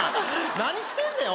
何してんねん。